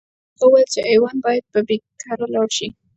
هغه وویل چې ایوانان باید ببۍ کره یوړل شي.